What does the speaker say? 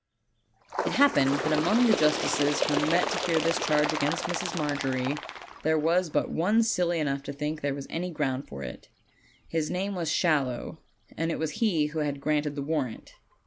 It happened that among the justices who met to hear OLD, OLD FAIRY TALES. 11 this charge against Mrs. Margery, there was but one silly enough to think there was any ground for it. His name was Shallow, and it was he who had granted the warrant.